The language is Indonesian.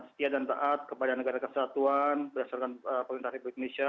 setia dan taat kepada negara kesatuan berdasarkan pemerintah republik indonesia